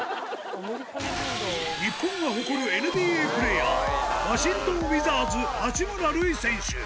日本が誇るＮＢＡプレーヤー、ワシントン・ウィザーズ、八村塁選手。